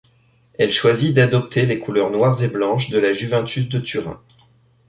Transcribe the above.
Elle choisit d'adopter les couleurs noires et blanches de la Juventus de Turin.